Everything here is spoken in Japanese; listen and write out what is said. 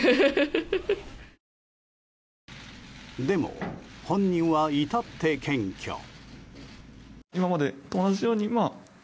でも、本人はいたって謙虚。